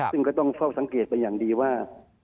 ซึ่งก็ต้องเฝ้าสังเกตไปอย่างดีว่า